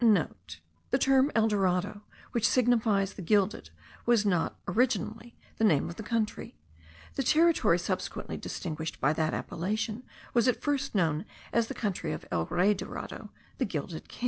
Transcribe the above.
(* The term el dorado, which signifies the gilded, was not originally the name of the country. The territory subsequently distinguished by that appellation was at first known as the country of el Rey Dorado, the Gilded King.)